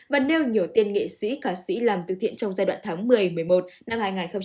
và nêu nhiều tiền nghệ sĩ khả sĩ làm từ thiện trong giai đoạn tháng một mươi một mươi một năm hai nghìn hai mươi